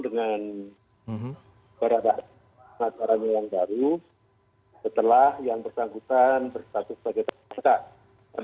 dengan barada yang baru setelah yang bersangkutan berstatus sebagai tersangka